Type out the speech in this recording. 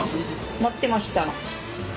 待ってました。